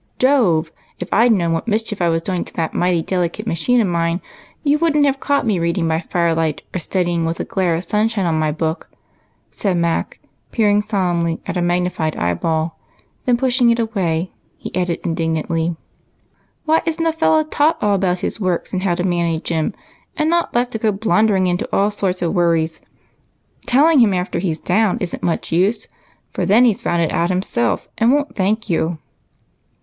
" Jove ! if I 'd known what mischief I was doing to that mighty delicate machine of mine, you wouldn't have caught me reading by fire light, or studying with a glare of sunshine on my book," said Mac, peer ing solemnly at a magnified eyeball ; then, pushing it away, he added indignantly :" Why is n't a fellow taught all about his works, and how to manage 'em, and not left to go blundering into all sorts of worries? Telling him after he 's down is n't much use, for then he 's found it out himself and won't thank you."